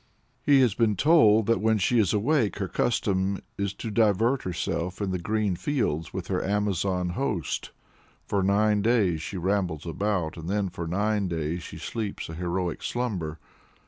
He has been told that when she is awake her custom is to divert herself in the green fields with her Amazon host "for nine days she rambles about, and then for nine days she sleeps a heroic slumber."